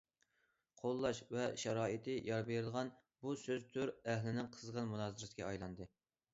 « قوللاش ۋە شارائىتى يار بېرىدىغان» بۇ سۆز تور ئەھلىنىڭ قىزغىن مۇنازىرىسىگە ئايلاندى.